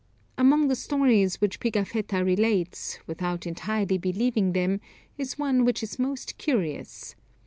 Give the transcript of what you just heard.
Among the stories which Pigafetta relates, without entirely believing them, is one which is most curious.